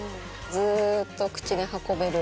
ずうっと口に運べる。